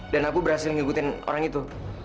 dan aku berhasil ngikutin orang itu